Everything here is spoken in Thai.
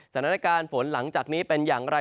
สถานการณ์ฝนหลังจากนี้เป็นอย่างไร